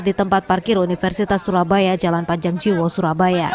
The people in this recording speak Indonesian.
di tempat parkir universitas surabaya jalan panjang jiwo surabaya